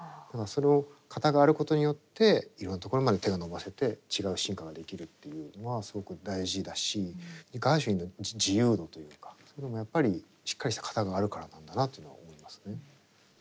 だからその型があることによっていろんなところまで手が伸ばせて違う進化ができるっていうのはすごく大事だしガーシュウィンの自由度というかそういうのもやっぱりしっかりした型があるからなんだなっていうのは思いますね。